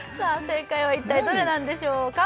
正解は一体どれなんでしょうか